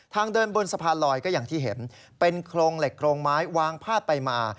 ทางเดินบนสะพานลอยก็อย่างที่เห็นเป็นโครงเหล็กโครงไม้วางพาดไปมา